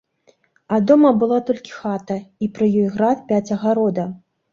А дома была толькі хата, і пры ёй град пяць агарода.